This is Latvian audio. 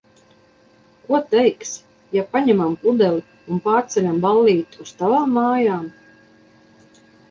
Ko teiksi, ja paņemam pudeli un pārceļam ballīti uz tavām mājām?